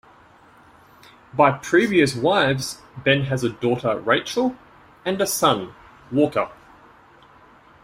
By previous wives, Ben has a daughter, Rachel, and a son, Walker.